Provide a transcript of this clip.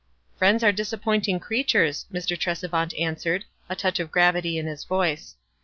"Friends are disappointing creatures," Mr. Tresevant answered, a touch of gravity in his voice.